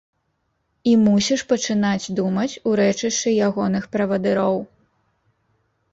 І мусіш пачынаць думаць у рэчышчы ягоных правадыроў.